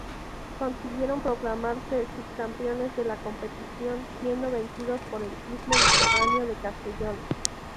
Consiguieron proclamarse subcampeones de la competición, siendo vencidos por el Club Mediterráneo de Castellón.